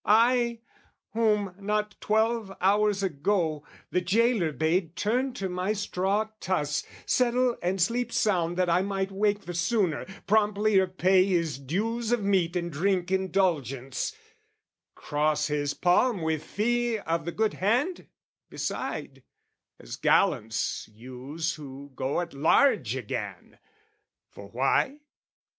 I Whom, not twelve hours ago, the gaoler bade Turn to my straw truss, settle and sleep sound That I might wake the sooner, promptlier pay His dues of meat and drink indulgence, cross His palm with fee of the good hand, beside, As gallants use who go at large again! For why?